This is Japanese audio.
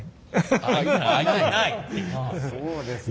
そうですか。